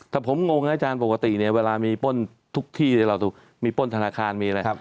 ถ้าผมงงนะอาจารย์ปกติเนี่ยเวลามีป้นทุกที่เราถูกมีป้นธนาคารมีอะไร